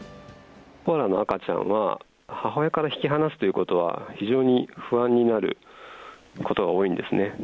コアラの赤ちゃんは、母親から引き離すということは、非常に不安になることが多いんですね。